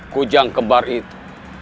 kujang kebar itu